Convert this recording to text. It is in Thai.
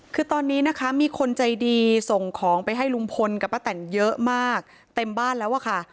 คือตอนนี้นะคะมีคนใจดีส่งของไปให้ลุงพลกับป้าแต่นเยอะมากเต็มบ้านแล้วอะค่ะ